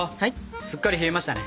すっかり冷えましたね。